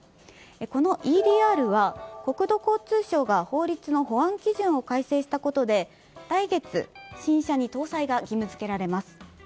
このＥＤＲは国土交通省が法律の保安基準を改正したことで来月、新車に搭載が義務付けられます。